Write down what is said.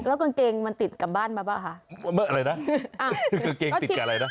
แล้วกางเกงมันติดกับบ้านมาป่ะคะว่าอะไรนะกางเกงติดกับอะไรนะ